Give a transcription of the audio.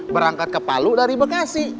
berangkat ke palu dari bekasi